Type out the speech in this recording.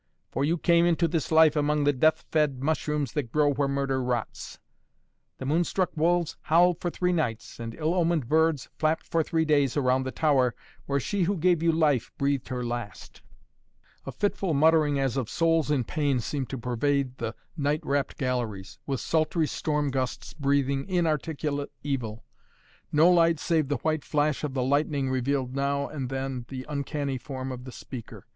"For you came into this life among the death fed mushrooms that grow where murder rots. The moon struck wolves howled for three nights, and ill omened birds flapped for three days around the tower where she who gave you life breathed her last." A fitful muttering as of souls in pain seemed to pervade the night wrapped galleries, with sultry storm gusts breathing inarticulate evil. No light save the white flash of the lightning revealed now and then the uncanny form of the speaker.